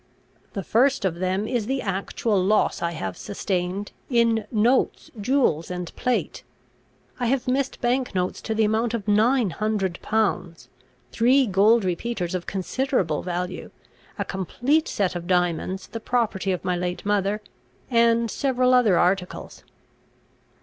"The first of them is the actual loss I have sustained, in notes, jewels, and plate. I have missed bank notes to the amount of nine hundred pounds, three gold repeaters of considerable value, a complete set of diamonds, the property of my late mother, and several other articles."